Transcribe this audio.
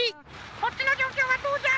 そっちのじょうきょうはどうじゃ？